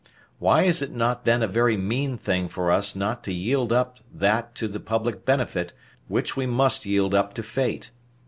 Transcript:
Why is it not then a very mean thing for us not to yield up that to the public benefit which we must yield up to fate?